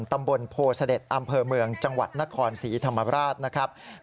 ตำบลโพเสด็จอำเภอเมืองจังหวัดนครศรีธรรมราชนะครับ